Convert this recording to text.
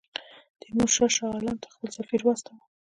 تیمورشاه شاه عالم ته خپل سفیر واستاوه.